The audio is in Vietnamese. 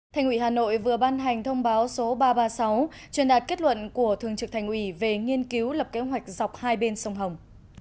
thành ủy hà nội vừa ban hành thông báo số ba trăm ba mươi sáu truyền đạt kết luận của thường trực thành ủy về nghiên cứu lập kế hoạch dọc hai bên sông hồng